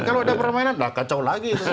kalau ada permainan lah kacau lagi